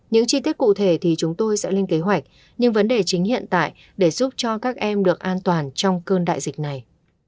những chi tiết cụ thể thì chúng tôi sẽ lên kế hoạch nhưng vấn đề chính hiện tại để giúp cho các em được an toàn trong cơn đại dịch này